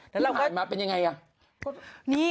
แล้วหายมาเป็นไงอะ